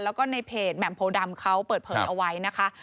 แล้วก็ในเพจแหม่มโพดำเขาเปิดเผยเอาไว้นะคะ